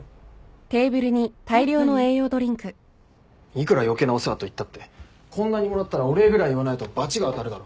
いくら余計なお世話といったってこんなにもらったらお礼ぐらい言わないと罰が当たるだろ。